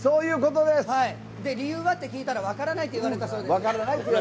理由は？って聞いたら分からないって言われたそうです。